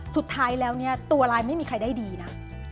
สุดท้ายแล้วเนี่ยตัวร้ายไม่มีใครได้ดีนะ